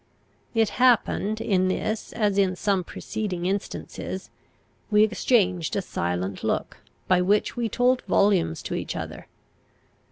It happened in this as in some preceding instances we exchanged a silent look, by which we told volumes to each other.